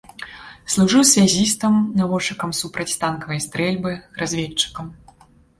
Служыў сувязістам, наводчыкам супрацьтанкавай стрэльбы, разведчыкам.